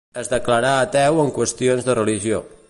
Es declarà ateu en qüestions de religió.